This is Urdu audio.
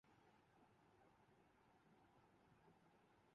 رکھتا پھروں ہوں خرقہ و سجادہ رہن مے